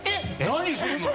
何するのよ？